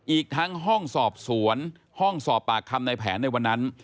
อีกทั้งห้องสอบสวนห้องสอบปากคำในแผนในวันนั้น